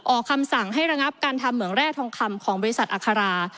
ออกคำสั่งให้ระงับการทำเหมืองแร่ทองคำของบริษัทอัครา